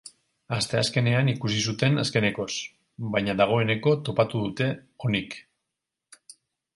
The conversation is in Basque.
Asteazkenean ikusi zuten azkenekoz, baina dagoeneko topatu dute, onik.